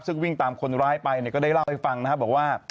ซึ่งวิ่งตามคนร้ายไปเนี่ยก็ได้เล่าให้ฟังนะครับบอกว่า